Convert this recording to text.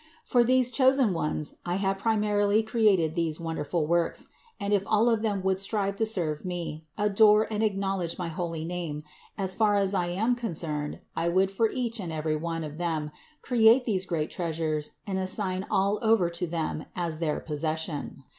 For these chosen ones I have primarily created these wonderful works! and if all of them would strive to serve Me, adore and acknowledge my holy name; as far as I am concerned, I would for each and every one of them create these great treasures and assign all over to them as their possession.